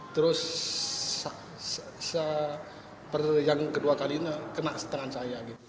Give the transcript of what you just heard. terus yang kedua kali ini kena setengah saya